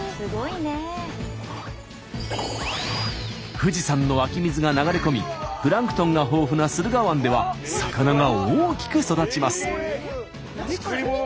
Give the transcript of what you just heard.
富士山の湧き水が流れ込みプランクトンが豊富な駿河湾では魚が大きく育ちます。